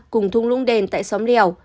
cùng thung lũng đèn tại xóm lèo